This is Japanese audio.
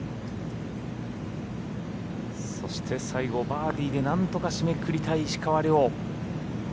そして、最後、バーディーで何とか締めくくりたい石川遼。